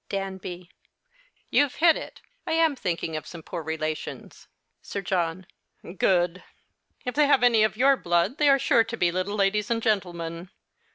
Danby. You've hit it. I am thinking of some poor relations. Sir John. Good. If they liave any of your blood they are sure to be little ladies and gentlemen.